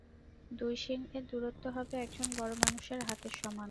দুই শিং এর দূরত্ব হবে একজন বড় মানুষের হাতের সমান।